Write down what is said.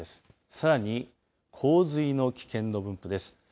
さらに洪水の危険度分布です。